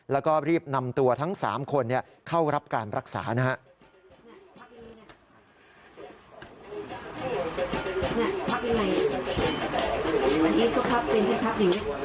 แล้วก็รีบนำตัวทั้ง๓คนเข้ารับการรักษานะครับ